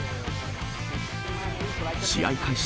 試合開始